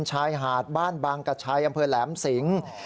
ชายหาดบ้านบางกระชัยอำเภอแหลมสิง